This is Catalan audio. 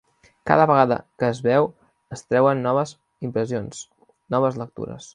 Cada vegada que es veu es treuen noves impressions, noves lectures.